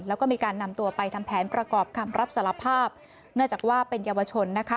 แล้วก็มีการนำตัวไปทำแผนประกอบคำรับสารภาพเนื่องจากว่าเป็นเยาวชนนะคะ